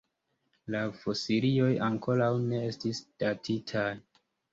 La fosilioj ankoraŭ ne estis datitaj.